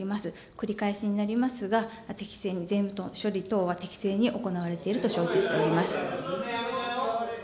繰り返しになりますが、適正に税務等処理は、適正に行われていると承知しております。